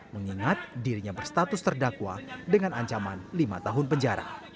mengingat dirinya berstatus terdakwa dengan ancaman lima tahun penjara